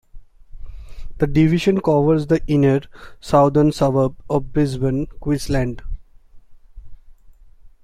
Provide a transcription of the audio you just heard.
The division covers the inner southern suburbs of Brisbane, Queensland.